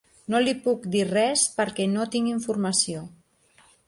No li puc dir res perquè no tinc informació.